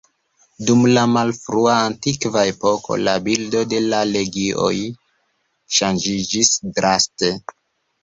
Dum la malfrua antikva epoko la bildo de la legioj ŝanĝiĝis draste.